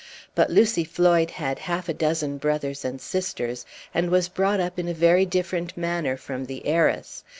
But Lucy Floyd had half a dozen brothers and sisters, and was brought up in a very different manner from the heiress.